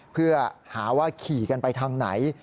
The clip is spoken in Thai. เพื่อหาว่าขี่กันไปทางไหน